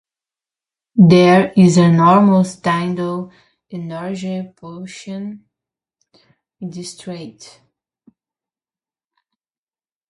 There is enormous tidal energy potential in the Strait.